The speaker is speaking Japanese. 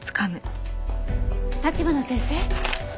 橘先生？